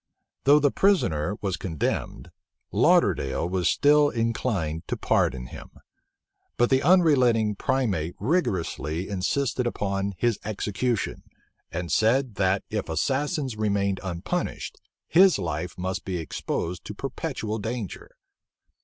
Though the prisoner was condemned, Lauderdale was still inclined to pardon him; but the unrelenting primate rigorously insisted upon his execution, and said, that if assassins remained unpunished, his life must be exposed to perpetual danger.